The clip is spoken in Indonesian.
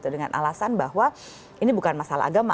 dengan alasan bahwa ini bukan masalah agama